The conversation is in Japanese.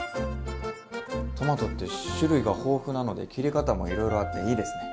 トマトって種類が豊富なので切り方もいろいろあっていいですね。